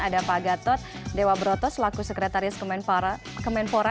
ada pak gatot dewa broto selaku sekretaris kemenpora